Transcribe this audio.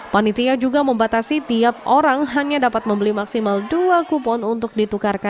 panitia juga membatasi tiap orang hanya dapat membeli maksimal dua kupon untuk ditukar